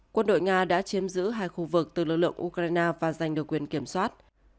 quân đội nga đã chiếm giữ hai khu vực từ lực lượng ukraine và giành được quyền kiểm soát